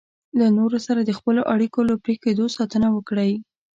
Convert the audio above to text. له نورو سره د خپلو اړیکو له پرې کېدو ساتنه وکړئ.